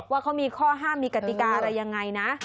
ว่าเขามีข้อห้ามมีกติกาอะไรยังไงนะ